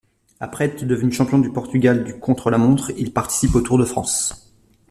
Après être devenu champion du Portugal du contre-la-montre, il participe au Tour de France.